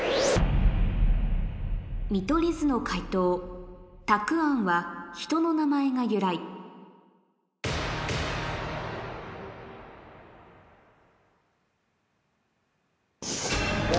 見取り図の解答たくあんは人の名前が由来お。